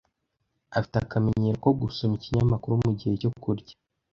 Afite akamenyero ko gusoma ikinyamakuru mugihe cyo kurya.